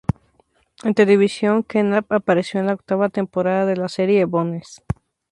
En televisión, Knapp apareció en la octava temporada de la serie "Bones".